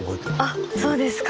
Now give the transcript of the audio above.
あそうですか。